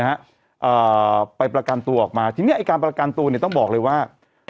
เอ่อไปประกันตัวออกมาทีเนี้ยไอ้การประกันตัวเนี้ยต้องบอกเลยว่า